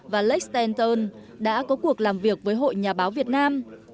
và lex stanton đã có cuộc làm việc với hội nhà báo việt nam